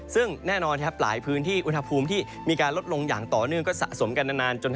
ซึ่งแน่นอนครับหลายพื้นที่อุณหภูมิที่มีการลดลงอย่างต่อเนื่องก็สะสมกันนาน